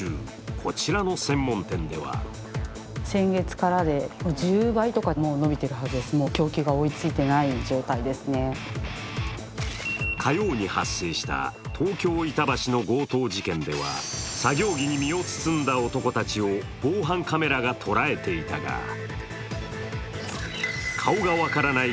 こちらの専門店では火曜に発生した東京・板橋の強盗事件では作業着に身を包んだ男たちを防犯カメラが捉えていたが顔が分からない